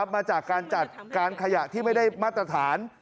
มาจากการจัดการขยะที่ไม่ได้มาตรฐาน